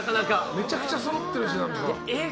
めちゃくちゃそろってるし。